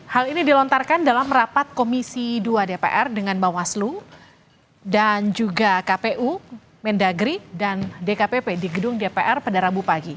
hal ini dilontarkan dalam rapat komisi dua dpr dengan bawaslu dan juga kpu mendagri dan dkpp di gedung dpr pada rabu pagi